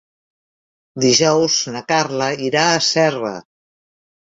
Dijous na Carla irà a Serra.